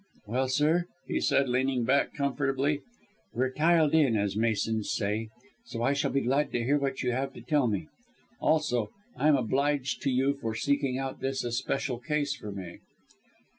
"Well, sir," he said, leaning back comfortably, "we're tiled in, as masons say, so I shall be glad to hear what you have to tell me. Also, I am obliged to you for seeking out this especial case for me."